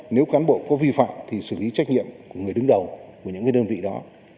nếu cán bộ có vi phạm thì xử lý trách nhiệm của người đứng đầu của những đơn vị đó